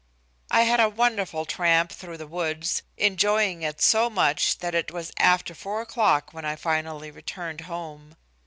I had a wonderful tramp through the woods, enjoying it so much that it was after four o'clock when I finally returned home.